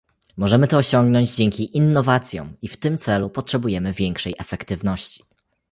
Możemy to osiągnąć dzięki innowacjom i w tym celu potrzebujemy większej efektywności